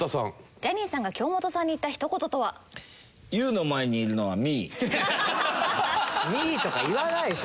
ジャニーさんが京本さんに言ったひと言とは？「ミー」とか言わないでしょ。